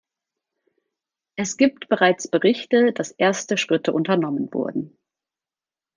Es gibt bereits Berichte, dass erste Schritte unternommen wurden.